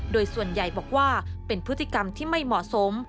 โดยส่วนใหญ่บอกว่าเป็นพฤติกรรมที่ไม่เหมาะสม